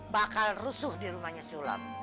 bakal rusuh di rumahnya sulam